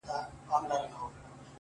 څوک به نو څه رنګه اقبا وویني؛